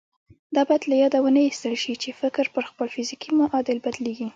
دا بايد له ياده ونه ايستل شي چې فکر پر خپل فزيکي معادل بدلېږي.